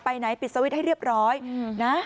ไหนปิดสวิตช์ให้เรียบร้อยนะ